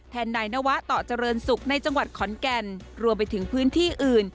นายนวะต่อเจริญศุกร์ในจังหวัดขอนแก่นรวมไปถึงพื้นที่อื่น